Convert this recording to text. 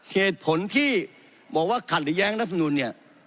เหตุผลที่บอกว่าขัดหรือย้างรัฐมนุน